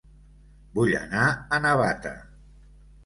Vull anar a Navata